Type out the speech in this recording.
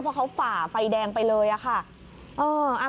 เพราะเขาฝ่าไฟแดงไปเลยอะค่ะ